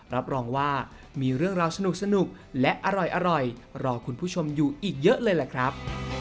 รับรองว่ามีเรื่องราวสนุกและอร่อยรอคุณผู้ชมอยู่อีกเยอะเลยแหละครับ